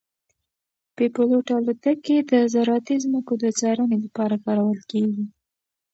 بې پیلوټه الوتکې د زراعتي ځمکو د څارنې لپاره کارول کیږي.